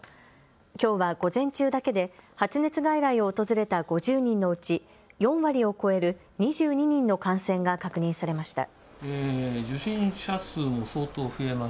きょうは午前中だけで発熱外来を訪れた５０人のうち４割を超える２２人の感染が確認されました。